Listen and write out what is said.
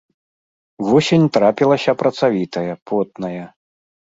Восень трапілася працавітая, потная.